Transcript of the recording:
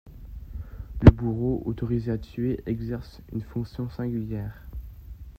Le bourreau, autorisé à tuer, exerce une fonction singulière.